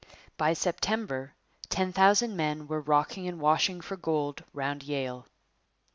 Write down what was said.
By September ten thousand men were rocking and washing for gold round Yale.